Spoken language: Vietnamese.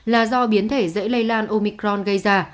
là do biến thể dễ lây lan omicron gây ra